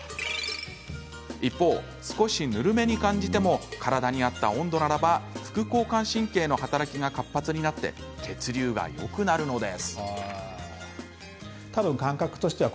一方、少しぬるめに感じても体に合った温度ならば副交感神経の働きが活発になって血流がよくなるのです。